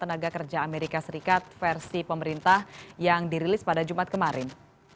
tenaga kerja amerika serikat versi pemerintah yang dirilis pada jumat kemarin